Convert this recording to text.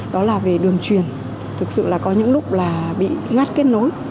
đó là về đường truyền thực sự là có những lúc là bị ngắt kết nối